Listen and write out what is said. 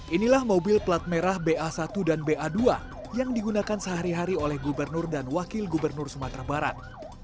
inilah mobil plat merah ba satu dan ba dua yang digunakan sehari hari oleh gubernur dan wakil gubernur sumatera barat